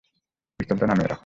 পিস্তলটা নামিয়ে রাখো।